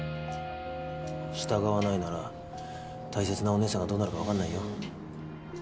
従わないなら大切なおねえさんがどうなるかわかんないよ。